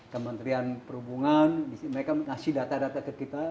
kementerian perhubungan mereka kasih data data ke kita